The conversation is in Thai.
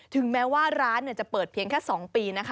ถึงแม้ว่าร้านจะเปิดเพียงแค่๒ปีนะคะ